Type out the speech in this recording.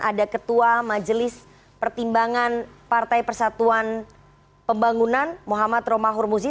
ada ketua majelis pertimbangan partai persatuan pembangunan muhammad romahur muzi